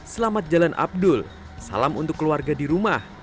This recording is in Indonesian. selamat jalan abdul salam untuk keluarga di rumah